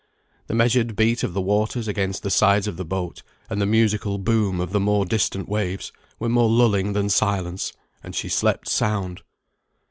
The measured beat of the waters against the sides of the boat, and the musical boom of the more distant waves, were more lulling than silence, and she slept sound.